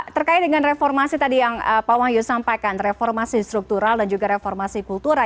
terkait dengan reformasi tadi yang pak wahyu sampaikan reformasi struktural dan juga reformasi kultura